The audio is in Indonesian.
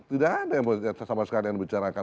tidak ada yang sama sekali yang dibicarakan